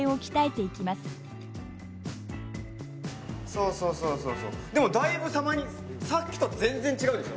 そうそうそうそうでもだいぶさまにさっきと全然違うでしょ？